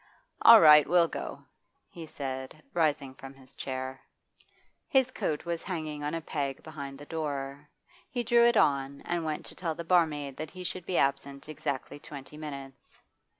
'All right, we'll go,' he said, rising from his chair. His coat was hanging on a peg behind the door. He drew it on, and went to tell the barmaid that he should be absent exactly twenty minutes.